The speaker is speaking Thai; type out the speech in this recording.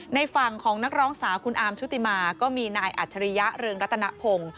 ในฝั่งของนักร้องสาวคุณอาร์มชุติมาก็มีนายอัจฉริยะเรืองรัตนพงศ์